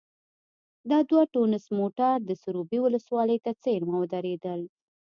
دا دوه ټونس موټر د سروبي ولسوالۍ ته څېرمه ودرېدل.